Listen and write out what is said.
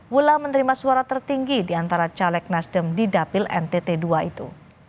wulan menerima suara tertinggi di antara caleg nasdem di dapil ntt ii itu